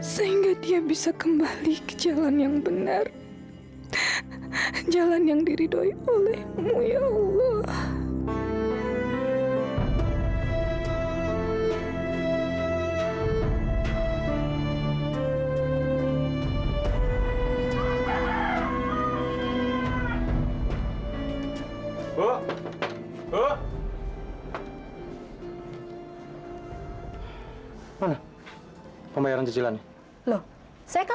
sampai jumpa di video selanjutnya